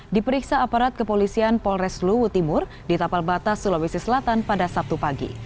diperiksa aparat kepolisian polres luwu timur di tapal batas sulawesi selatan pada sabtu pagi